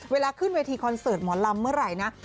เวลาขึ้นเวทีคอนเสิร์ตหมอลำเมื่อไหร่นะ